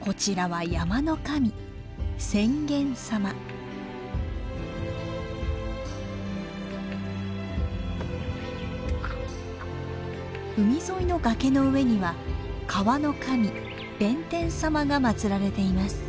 こちらは山の神海沿いの崖の上には川の神弁天様が祭られています。